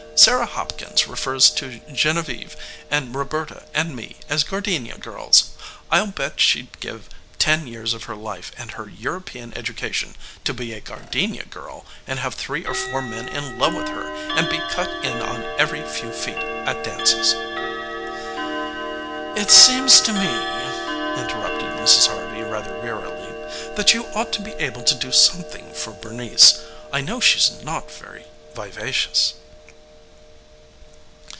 Sarah Hopkins refers to Genevieve and Roberta and me as gardenia girls! I'll bet she'd give ten years of her life and her European education to be a gardenia girl and have three or four men in love with her and be cut in on every few feet at dances." "It seems to me," interrupted Mrs. Harvey rather wearily, "that you ought to be able to do something for Bernice. I know she's not very vivacious."